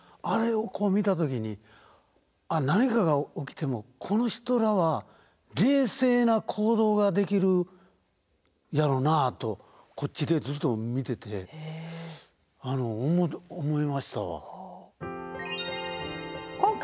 あれをこう見た時にあっ何かが起きてもこの人らは冷静な行動ができるやろうなあとこっちでずっと見てて思いましたわ。